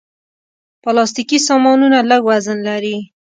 پلاستيکي سامانونه لږ وزن لري.